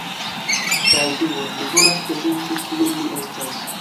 Kaj due, mi volas prezenti kiu mi estas